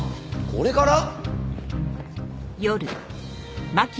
これから？